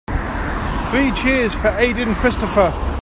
Three cheers for Aden Christopher.